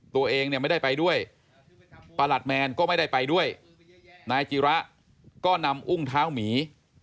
ตัวเองเนี่ยไม่ได้ไปด้วยประหลัดแมนก็ไม่ได้ไปด้วยนายจิระก็นำอุ้งเท้าหมี